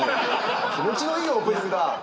気持ちのいいオープニングだ。